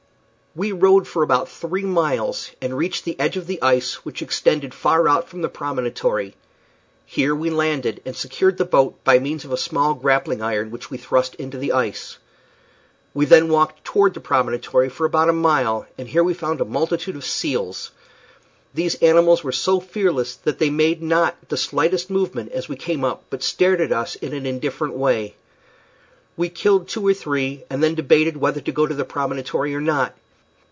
We rowed for about three miles, and reached the edge of the ice, which extended far out from the promontory. Here we landed, and secured the boat by means of a small grappling iron, which we thrust into the ice. We then walked toward the promontory for about a mile, and here we found a multitude of seals. These animals were so fearless that they made not the slightest movement as we came up, but stared at us in an indifferent way. We killed two or three, and then debated whether to go to the promontory or not.